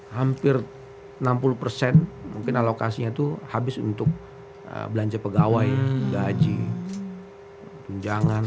hampir enam puluh persen mungkin alokasinya itu habis untuk belanja pegawai gaji tunjangan